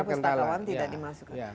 jadi sementara pustakawan tidak dimasukkan